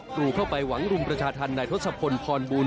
ปลูกเข้าไปหวังรุมประชาธรรมในทศวรรษ